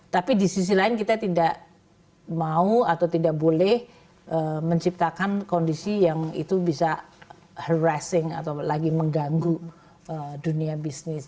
tapi di sisi lain kita tidak mau atau tidak boleh menciptakan kondisi yang itu bisa harrising atau lagi mengganggu dunia bisnis